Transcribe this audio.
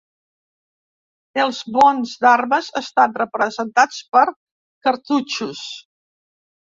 Els bons d'armes estan representats per cartutxos.